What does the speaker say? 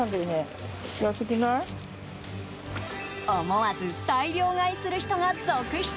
思わず大量買いする人が続出。